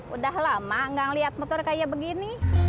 udah lama gak ngeliat motor kayak begini